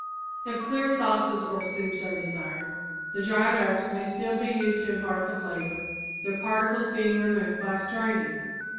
If clear sauces or soups are desired, the dried herbs may still be used to impart the flavor, their particles being removed by straining.